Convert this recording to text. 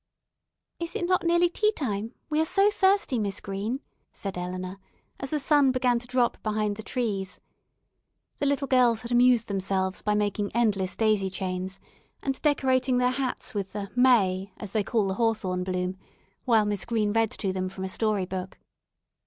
"Is it not nearly tea time? We are so thirsty, Miss Green," said Eleanor, as the sun began to drop behind the trees. The little girls had amused themselves by making endless daisy chains, and decorating their hats with the "may" as they call the hawthorn bloom, while Miss Green read to them from a story book.